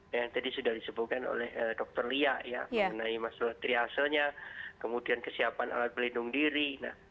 masalah yang tadi sudah disebutkan oleh dokter lia mengenai masalah triaselnya kemudian kesiapan alat pelindung diri